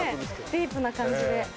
ディープな感じで。